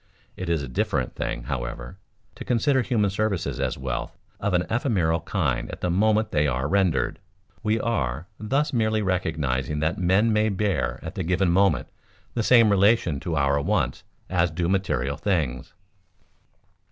It is a different thing, however, to consider human services as wealth of an ephemeral kind at the moment they are rendered. We are, thus merely recognizing that men may bear at the given moment the same relation to our wants as do material things.